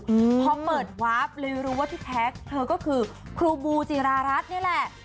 อืมพอเปิดวาร์ฟเลยรู้ว่าพี่แท็กเธอก็คือครูบูจิรารัสนี่แหละ